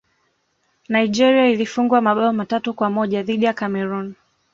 nigeria ilifungwa mabao matatu kwa moja dhidi ya cameroon